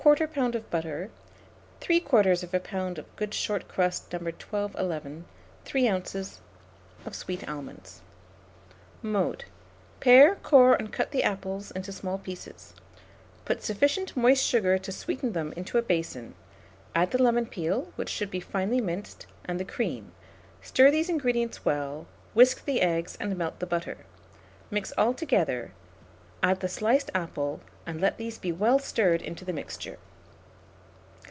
of butter, 3/4 lb. of good short crust No. 1211, 3 oz. of sweet almonds. Mode. Pare, core, and cut the apples into small pieces; put sufficient moist sugar to sweeten them into a basin; add the lemon peel, which should be finely minced, and the cream; stir these ingredients well, whisk the eggs, and melt the butter; mix altogether, add the sliced apple, and let these be well stirred into the mixture.